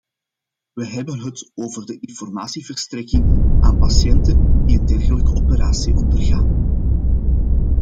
We hebben het over de informatieverstrekking aan patiënten die een dergelijke operatie ondergaan.